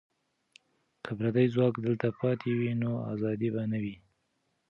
که پردي ځواک دلته پاتې وي، نو ازادي به نه وي.